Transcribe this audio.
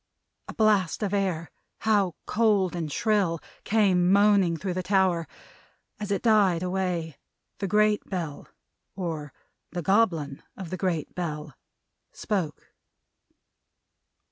A blast of air how cold and shrill! came moaning through the tower. As it died away, the Great Bell, or the Goblin of the Great Bell, spoke.